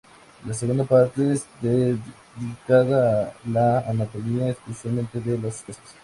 La segunda parte de dedica a la anatomía, especialmente de los peces.